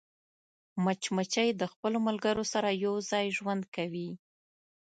مچمچۍ د خپلو ملګرو سره یوځای ژوند کوي